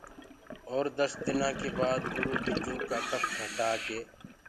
اور دس دنآ ڪي بآد اُرو ٻجو ڪآ ڪک هٽآ ڪي